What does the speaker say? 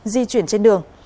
di chuyển trên đường